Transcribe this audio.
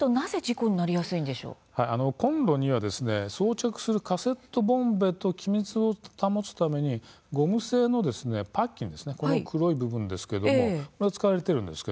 コンロには装着するカセットコンロと気密を保つためにゴム製のパッキンこれが使われています。